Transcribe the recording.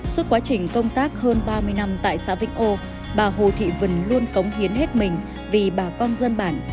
suốt quá trình công tác hơn ba mươi năm tại xã vĩnh âu bà hồ thị vân luôn cống hiến hết mình vì bà con dân bản